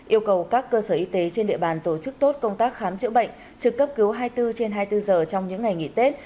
yêu cầu các cơ sở y tế trên địa bàn tổ chức tốt công tác khám chữa bệnh trực cấp cứu hai mươi bốn trên hai mươi bốn giờ trong những ngày nghỉ tết